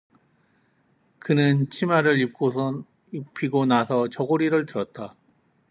그는 치마를 입히고 나서 저고리를 들었다.